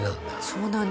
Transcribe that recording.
そうなんです。